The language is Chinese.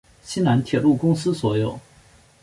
西南铁路公司所有。